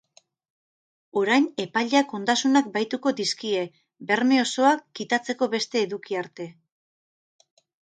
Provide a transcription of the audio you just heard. Orain, epaileak ondasunak bahituko dizkie, berme osoa kitatzeko beste eduki arte.